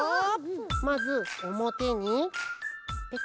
まずおもてにペト。